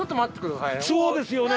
そうですよね。